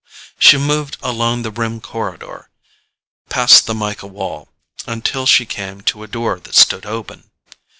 She moved along the rim corridor, past the mica wall, until she came to a door that stood open.